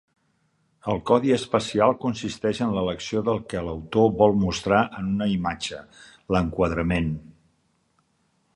El codi espacial consisteix en l'elecció del que l'autor vol mostrar en una imatge, l’enquadrament.